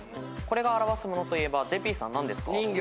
これが表すものといえばＪＰさん何ですか？